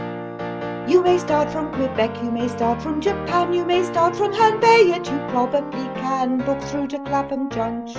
7. You may start from Quebec, you may start from Japan ; You may start from Herne Bay, yet you (probably) can Book through to Clappum Junction.